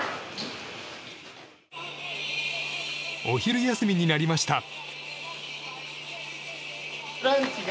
お昼休みになりました。